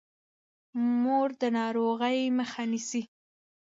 مور د ناروغۍ مخه نیسي.